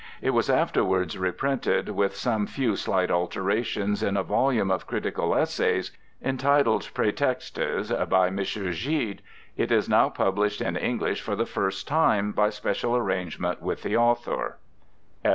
It was afterwards reprinted with some few slight alterations in a volume of critical essays, entitled Prétextes, by M. Gide. It is now published in English for the first time, by special arrangement with the author.